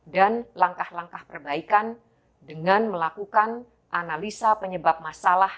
dan langkah langkah perbaikan dengan melakukan analisa penyebab masalah